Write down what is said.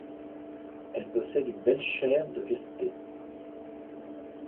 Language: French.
Elle possède une belle chaire de vérité.